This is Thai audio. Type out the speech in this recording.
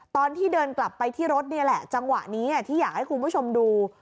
ตอนที่เดินกลับไปที่รถนี่แหละจังหวะนี้ที่อยากให้คุณผู้ชมดู